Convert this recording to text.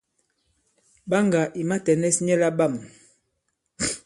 Ɓaŋgà ì matɛ̀nɛs nyɛ laɓâm.